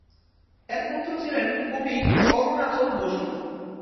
এঁর পুত্র ছিলেন কবি অরুণাচল বসু।